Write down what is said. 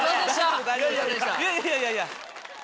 いやいやいやいや。